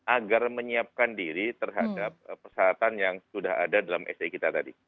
agar menyiapkan diri terhadap persyaratan yang sudah ada dalam se kita tadi